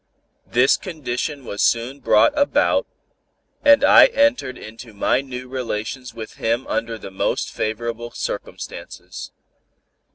This condition was soon brought about, and I entered into my new relations with him under the most favorable circumstances.